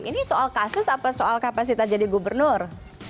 ini soal kasus apa soal kapasitas jadi gubernur